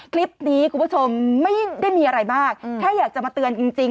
คลิปนี้คุณผู้ชมไม่ได้มีอะไรมากแค่อยากจะมาเตือนจริง